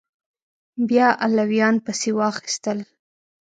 بیا علویان پسې واخیستل